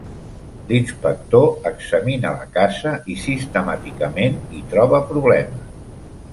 L'inspector examina la casa i sistemàticament hi troba problemes.